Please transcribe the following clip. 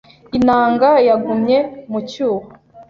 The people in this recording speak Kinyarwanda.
Inanga yagumye mu cyuho